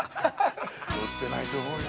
売ってないと思うよ。